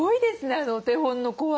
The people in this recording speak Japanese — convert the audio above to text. あのお手本の子は。